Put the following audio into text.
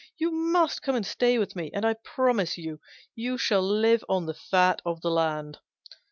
You must come and stay with me, and I promise you you shall live on the fat of the land."